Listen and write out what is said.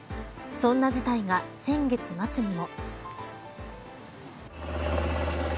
そんな事態が先月末にも。